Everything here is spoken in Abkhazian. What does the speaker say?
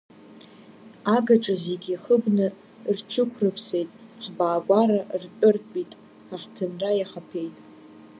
Агаҿа зегьы хыбны рҽықәрыԥсеит, ҳбаагәара ртәыртәит, ҳаҳҭынра иахаԥеит…